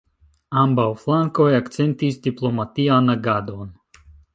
Ambaŭ flankoj akcentis diplomatian agadon.